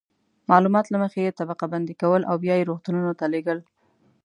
معلومات له مخې یې طبقه بندي کول او بیا یې روغتونونو ته لیږل.